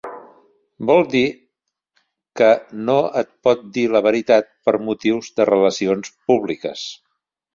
Vol dir que no et pot dir la veritat per motius de relacions públiques.